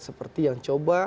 berbeda dengan obor rakyat